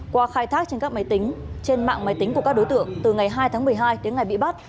qua khai thác trên mạng máy tính của các đối tượng từ ngày hai tháng một mươi hai đến ngày bị bắt